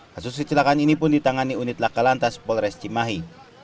kasus kecelakaan ini pun ditangani unit lakalantas polres cimahi